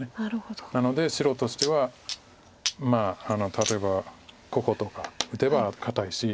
なので白としては例えばこことか打てば堅いし。